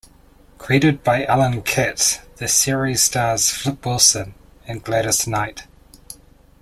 Created by Allan Katz, the series stars Flip Wilson and Gladys Knight.